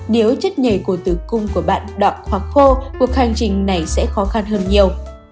nếu chất nhảy cổ tử cung của bạn đọc hoặc khô cuộc hành trình này sẽ khó khăn hơn nhiều